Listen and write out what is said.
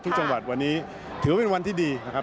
ทุกจังหวัดวันนี้ถือว่าเป็นวันที่ดีนะครับ